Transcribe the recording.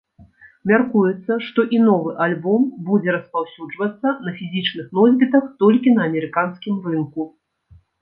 Мяркуецца, што і новы альбом будзе распаўсюджвацца на фізічных носьбітах толькі на амерыканскім рынку.